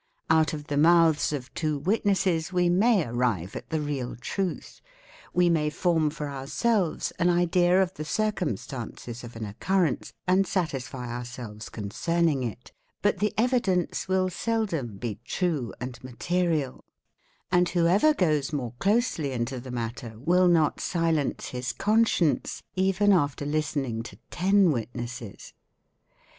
Out of the mouths of two witnesses we may arrive at the real truth, we may form for ourselves an idea of the circumstances of an occurrence and satisfy ourselves concerning it, but the evidence will seldom be true and material; and whoever goes more closely into the matter will not silence his conscience, even after listening to ten wit — nesses.